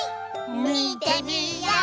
みてみよう！